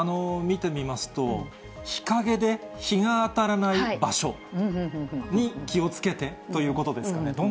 見てみますと、日陰で、日が当たらない場所に気をつけてということですかね。